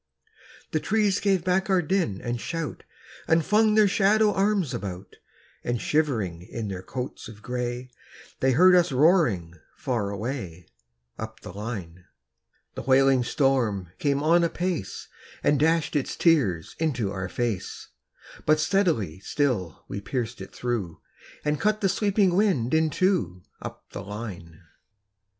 The trees gave back our din and shout, And flung their shadow arms about; And shivering in their coats of gray, They heard us roaring far away, Up the line. The wailing storm came on apace, And dashed its tears into our fade; But steadily still we pierced it through, And cut the sweeping wind in two, Up the line.